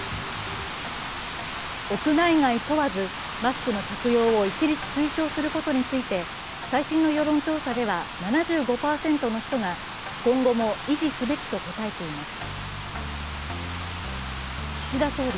屋内外問わず、マスクの着用を一律推奨することについて最新の世論調査では、７５％の人が今後も維持すべきと答えています。